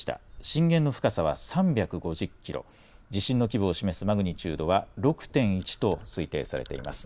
震源の深さは３５０キロ、地震の規模を示すマグニチュードは６．１と推定されています。